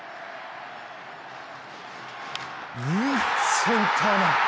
センター前。